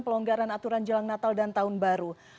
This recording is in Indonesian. pelonggaran aturan jelang natal dan tahun baru